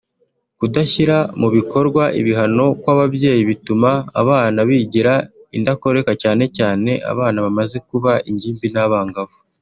Kudashyira mu bikorwa ibihano kw’ababyeyi bituma abana bigira indakoreka cyane cyane abana bamaze kuba ingimbi n’abangavu